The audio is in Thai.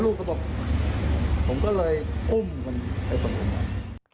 ลูกก็บอกผมก็เลยอุ้มมันไปตรงนั้น